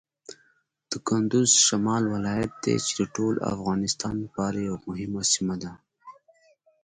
کندز د شمال ولایت دی چې د ټول افغانستان لپاره یوه مهمه سیمه ده.